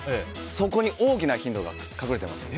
そこに大きなヒントが隠れています。